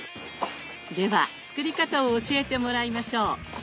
では作り方を教えてもらいましょう。